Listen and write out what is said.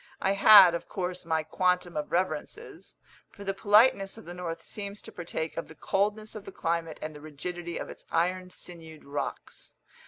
I had, of course, my quantum of reverences; for the politeness of the north seems to partake of the coldness of the climate and the rigidity of its iron sinewed rocks.